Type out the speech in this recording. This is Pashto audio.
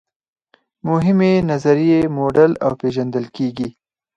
مهمې نظریې موډل او پیژندل کیږي.